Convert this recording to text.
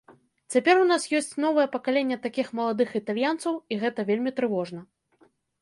Цяпер у нас ёсць новае пакаленне такіх маладых італьянцаў, і гэта вельмі трывожна.